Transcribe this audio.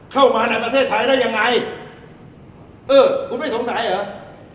เข้ามาในประเทศไทยได้ยังไงเออคุณไม่สงสัยเหรอ